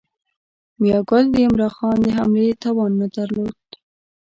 میاګل د عمرا خان د حملې توان نه درلود.